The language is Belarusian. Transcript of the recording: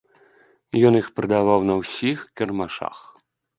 Ён іх прадаваў на ўсіх кірмашах.